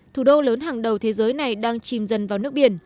thủ đô lớn hàng đầu thế giới này đang chìm dần vào nước biển